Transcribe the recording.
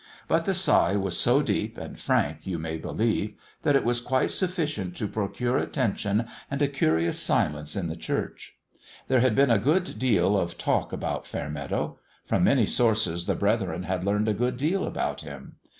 But the sigh was so deep and frank, you may believe, that it was quite sufficient to procure attention and a curi ous silence in the church. There had been a good deal of talk about Fair meadow. From many sources the brethren had learned a good deal about him.